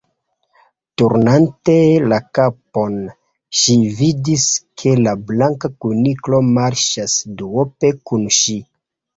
Turnante la kapon, ŝi vidis ke la Blanka Kuniklo marŝas duope kun ŝi.